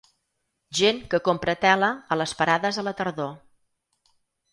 Gent que compra tela a les parades a la tardor.